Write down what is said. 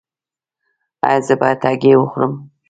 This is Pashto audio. ایا زه باید هګۍ وخورم؟